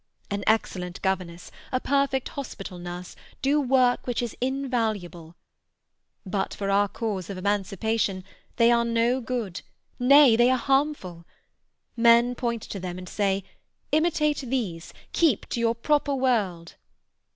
"An excellent governess, a perfect hospital nurse, do work which is invaluable; but for our cause of emancipation they are no good—nay, they are harmful. Men point to them, and say: Imitate these, keep to your proper world.